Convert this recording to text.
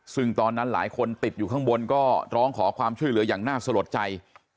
ซึ่งตอนนั้นหลายคนติดอยู่ข้างบนก็ร้องขอความช่วยเหลืออย่างน่าสลดใจ